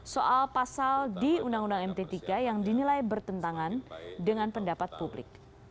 soal pasal di undang undang md tiga yang dinilai bertentangan dengan pendapat publik